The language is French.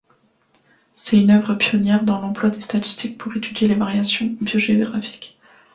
C'est une œuvre pionnière dans l'emploi des statistiques pour étudier les variations biogéographiques.